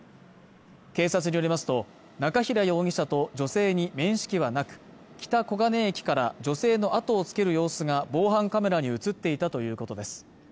警察によりますと中平容疑者と女性に面識はなく北小金駅から女性のあとをつける様子が防犯カメラに映っていたということです